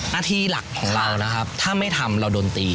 หน้าที่หลักของเรานะครับถ้าไม่ทำเราโดนตี